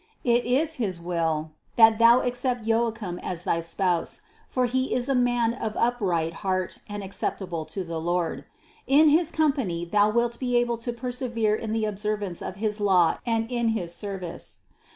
It is his will, that thou accept Joachim as thy spouse, for he is a man of upright heart and acceptable to the Lord: in his company thou wilt be able to persevere in the observance of his law and in his service.